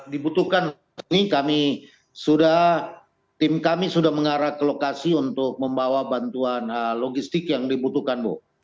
dibutuhkan ini kami sudah tim kami sudah mengarah ke lokasi untuk membawa bantuan logistik yang dibutuhkan bu